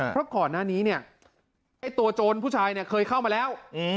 เพราะก่อนหน้านี้เนี่ยไอ้ตัวโจรผู้ชายเนี่ยเคยเข้ามาแล้ว